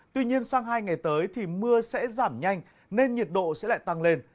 tuy nhiên sang hai ngày tới thì mưa sẽ giảm nhanh nên nhiệt độ sẽ lại tăng lên